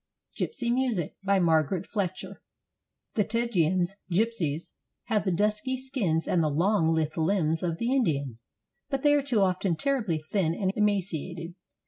GYPSY MUSIC BY MARGARET FLETCHER The Tziganes [gypsies] have the dusky skins and the long, lithe limbs of the Indian, but they are too often terribly thin and emaciated.